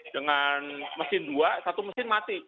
dengan mesin dua satu mesin mati